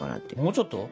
もうちょっと？